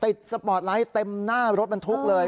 สปอร์ตไลท์เต็มหน้ารถบรรทุกเลย